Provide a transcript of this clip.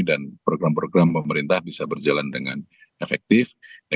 dan program program pemerintah bisa berjalan dengan efektif